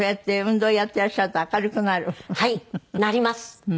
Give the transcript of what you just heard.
なります。